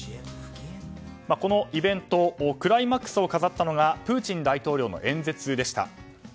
このイベントのクライマックスを飾ったのがプーチン大統領の演説でした。